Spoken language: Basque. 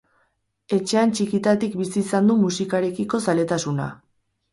Etxean txikitatik bizi izan du musikarekiko zaletasuna.